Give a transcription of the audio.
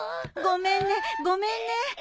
ごめんねごめんね。